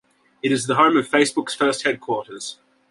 It is the home of Facebook's first headquarters.